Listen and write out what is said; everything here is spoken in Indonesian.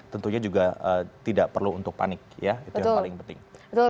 tentunya juga tidak perlu untuk panik ya itu yang paling penting